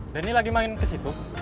denny lagi main kesitu